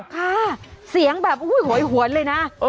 ค่ะเสียงแบบโอ้โหยโหยโหยเลยนะ